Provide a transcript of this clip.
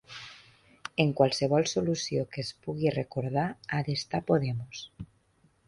En qualsevol solució que es pugui recordar ha d’estar Podemos.